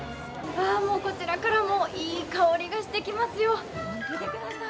こちらからもいい香りがしてきますよ。